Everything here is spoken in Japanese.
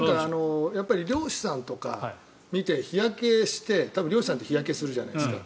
やっぱり漁師さんとか見て日焼けして多分漁師さんって日焼けするじゃないですか。